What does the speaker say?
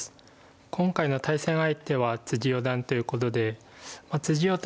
今回の対戦相手は四段ということで。